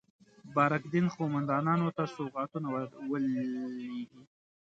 بارک دین قوماندانانو ته سوغاتونه ولېږي.